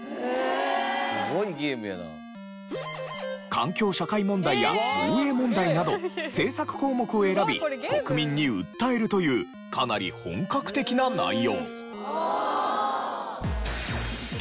環境社会問題や防衛問題など政策項目を選び国民に訴えるというかなり本格的な内容。